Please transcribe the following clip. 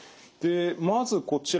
まずこちら。